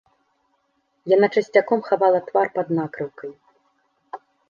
Яна часцяком хавала твар пад накрыўкай.